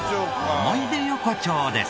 思い出横丁です。